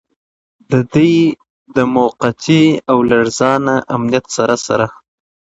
د دوی د موقتي او لړزانه امنیت سره سره